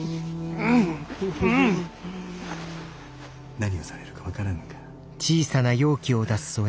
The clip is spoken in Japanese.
何をされるか分からぬか。